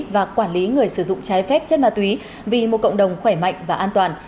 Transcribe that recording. và quản lý người sử dụng trái phép chất ma túy vì một cộng đồng khỏe mạnh và an toàn